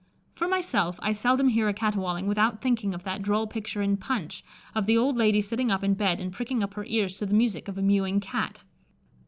For myself, I seldom hear a catawauling without thinking of that droll picture in Punch of the old lady sitting up in bed and pricking up her ears to the music of a mewing Cat.